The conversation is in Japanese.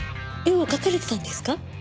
絵を描かれてたんですか？